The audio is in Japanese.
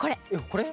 これ？